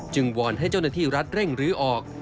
วอนให้เจ้าหน้าที่รัฐเร่งรื้อออก